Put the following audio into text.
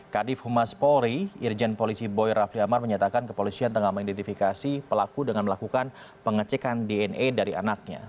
kadif humas polri irjen polisi boy rafli amar menyatakan kepolisian tengah mengidentifikasi pelaku dengan melakukan pengecekan dna dari anaknya